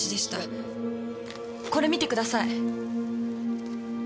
これ見てください！